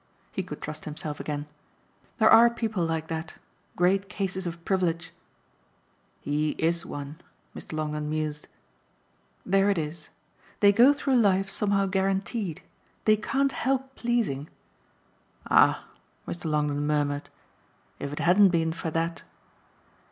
He could trust himself again. "There are people like that great cases of privilege." "He IS one!" Mr. Longdon mused. "There it is. They go through life somehow guaranteed. They can't help pleasing." "Ah," Mr. Longdon murmured, "if it hadn't been for that